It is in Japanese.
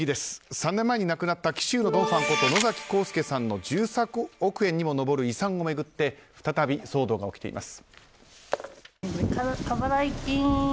３年前に亡くなった紀州のドン・ファンこと野崎幸助さんの１３億円にも上る遺産を巡って再び騒動が起きています。